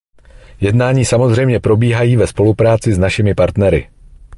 Jednání samozřejmě probíhají ve spolupráci s našimi partnery.